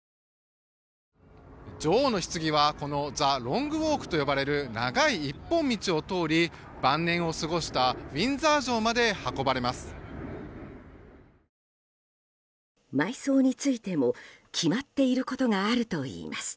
女王のひつぎはザ・ロングウォークと呼ばれる長い一本道を通り晩年を過ごしたウィンザー城まで運ばれます。